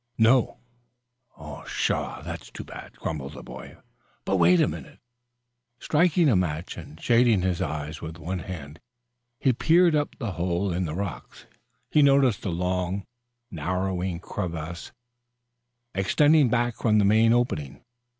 "No." "Oh, pshaw! that's too bad," grumbled the boy. "But wait a minute." Striking a match and shading his eyes with one hand, he peered up to the hole in the rocks. He noted a long narrowing crevice extending back from the main opening.